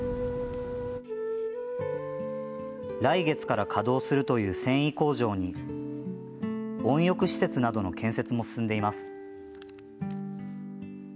来月から稼働するという繊維工場に温浴施設などの建設も進んでいます。